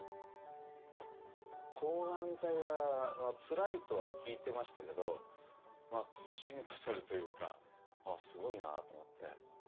抗がん剤はつらいとは聞いてましたけど聞きしに勝るというかすごいなと思って。